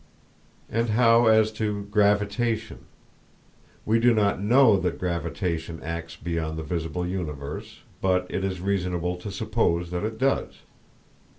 And how as to gravitation? We do not know that gravitation acts beyond the visible universe, but it is reasonable to suppose that it does.